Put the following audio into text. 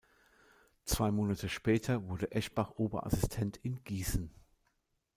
Zwei Monate später wurde Eschbach Oberassistent in Gießen.